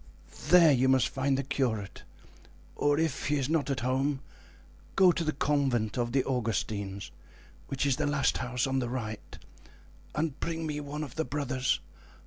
There you must find the curate, or if he is not at home, go to the convent of the Augustines, which is the last house on the right, and bring me one of the brothers.